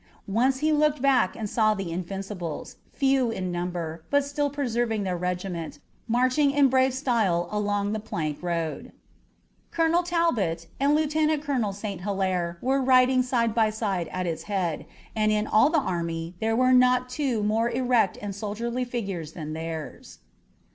Once he looked back and saw the Invincibles, few in number, but still preserving their regiment, marching in brave style along the plank road. Colonel Talbot and Lieutenant Colonel St. Hilaire were riding side by side at its head, and in all the army there were not two more erect and soldierly figures than theirs.